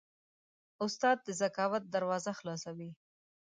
استاد د ذکاوت دروازه خلاصوي.